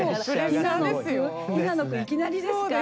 「ヒナの句いきなりですか？」